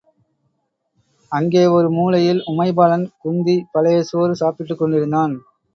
அங்கே ஒரு மூலையில் உமைபாலன் குந்தி பழைய சோறு சாப்பிட்டுக் கொண்டிருந்தான்.